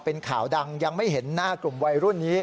เป็นข่าวดังยังไม่เห็นหน้ากลุ่มวัยรุ่นนี้